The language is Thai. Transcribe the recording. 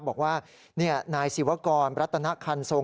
บอกว่านายศิวกรรัตนคันทรง